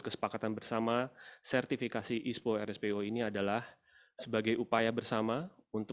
kesepakatan bersama sertifikasi ispo rspo ini adalah sebagai upaya bersama untuk